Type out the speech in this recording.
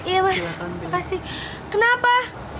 iya mas makasih kenapa